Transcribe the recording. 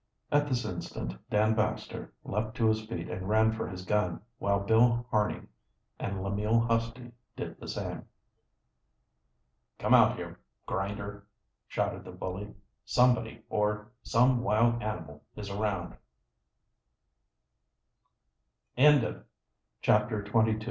At this instant Dan Baxter leaped to his feet and ran for his gun, while Bill Harney and Lemuel Husty did the same. "Come out here, Grinder!" shouted the bully. "Somebody or some wild animal is around!" CHAPTER XXIII. THE BLACK BEAR.